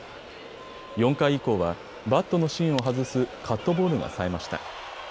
４回以降はバットの芯を外すカットボールがさえました。